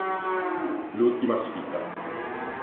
L'ultima sfida